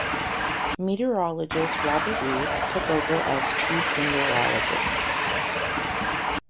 Meteorologist Robert Reese took over as Chief Meteorologist.